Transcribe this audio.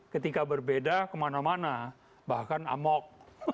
ketika berbeda kemana mana bahkan amok